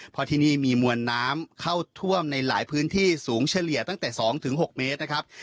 เพราะที่นี่มีมวลน้ำเข้าท่วมในหลายพื้นที่สูงเฉลี่ยตั้งแต่๒๖เมตรนะครับ